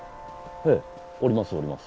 へえおりますおります。